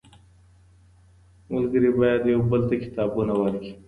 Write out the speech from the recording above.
ملګري بايد يو بل ته کتابونه ورکړي.